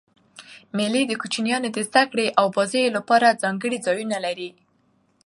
مېلې د کوچنيانو د زدهکړي او بازيو له پاره ځانګړي ځایونه لري.